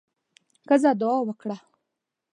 ښځه دعا وکړه.